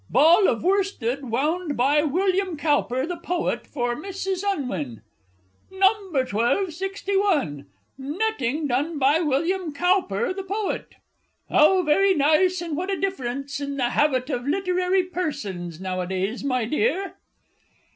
"Ball of Worsted wound by William Cowper, the poet, for Mrs. Unwin." No. 1261. "Netting done by William Cowper, the poet." How very nice, and what a difference in the habit of literary persons nowadays, my dear!